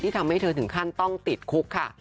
ทำให้เธอถึงขั้นต้องติดคุกค่ะ